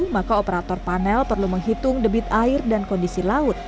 maka operator panel perlu menghitung debit air dan kondisi laut